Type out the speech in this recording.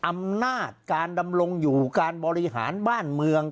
อำนาจการดำรงอยู่การบริหารบ้านเมือง